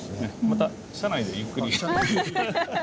また車内でゆっくり。